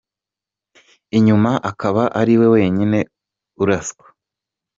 inyuma, akaba ari we wenyine uraswa?.